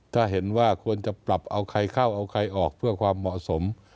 ถ้าเห็นว่าควรจะปรับเอาใครเข้าเอาใครออกเพื่อความเหมาะสม